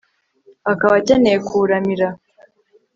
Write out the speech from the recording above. akaba akeneye kuwuramira